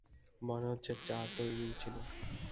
মনে হচ্ছে চা তৈরিই ছিল।